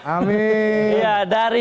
amin ya dari